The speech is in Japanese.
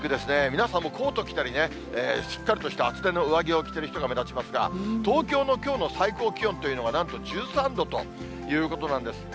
皆さんもうコート着たりね、しっかりとした厚手の上着を着てる人が目立ちますが、東京のきょうの最高気温というのが、なんと１３度ということなんです。